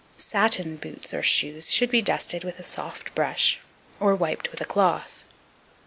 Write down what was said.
Satin boots or shoes should be dusted with a soft brush, or wiped with a cloth.